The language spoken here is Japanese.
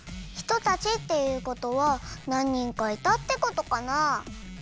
「ひとたち」っていうことはなん人かいたってことかなあ？